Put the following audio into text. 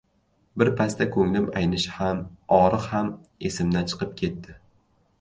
Birpasda ko'nglim aynishi ham, og‘riq ham esimdan chiqib ketdi.